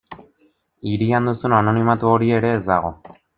Hirian duzun anonimatu hori ere ez dago.